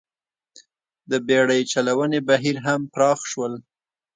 د بېړۍ چلونې بهیر هم پراخ شول.